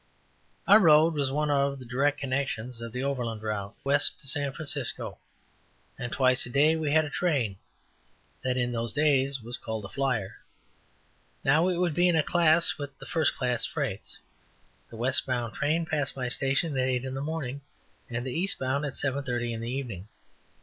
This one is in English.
Our road was one of the direct connections of the "Overland Route," west to San Francisco, and twice a day we had a train, that in those days was called a flyer. Now it would be in a class with the first class freights. The west bound train passed my station at eight in the morning, and the east bound at seven thirty in the evening.